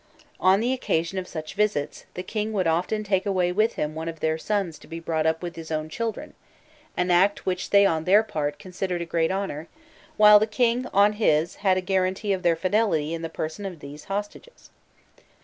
On the occasion of such visits, the king would often take away with him one of their sons to be brought up with his own children: an act which they on their part considered a great honour, while the king on his had a guarantee of their fidelity in the person of these hostages.